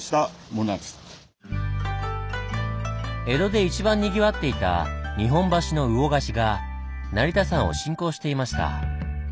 江戸で一番にぎわっていた日本橋の魚河岸が成田山を信仰していました。